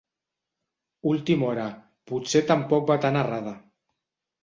Última hora, potser tampoc va tan errada.